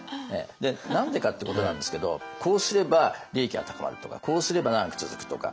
何でかってことなんですけどこうすれば利益は高まるとかこうすれば長く続くとか。